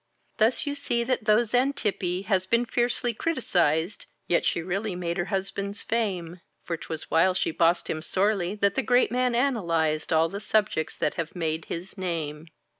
Thus you see that though Xantippe has been fiercely criticized, Yet she really made her husband's fame, For 'twas while she bossed him sorely that the great man analyzed All the subjects that have made his name.